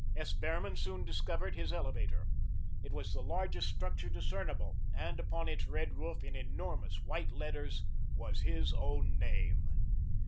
S. Behrman soon discovered his elevator. It was the largest structure discernible, and upon its red roof, in enormous white letters, was his own name.